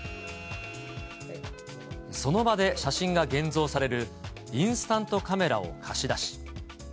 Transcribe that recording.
その場で写真が現像される、インスタントカメラを貸し出し。